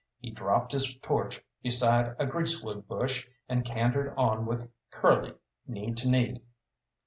He dropped his torch beside a greasewood bush, and cantered on with Curly knee to knee.